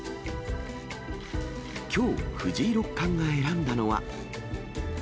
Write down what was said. きょう、藤井六冠が選んだのは。